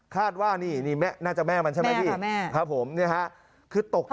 คาดว่านี่นี่น่าจะแม่มันใช่ไหมพี่ครับผมเนี่ยฮะคือตกใจ